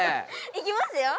いきますよ！